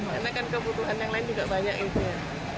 karena kan kebutuhan yang lain juga banyak gitu ya